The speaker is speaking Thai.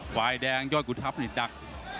ฝ่ายแดงยอดกุทัพนี่ดัก